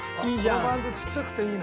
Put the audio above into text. このバンズちっちゃくていいな。